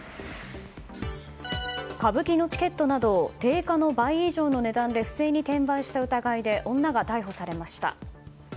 歌舞伎のチケットなどを定価の倍以上の値段で不正に転売した疑いで女が逮捕されました。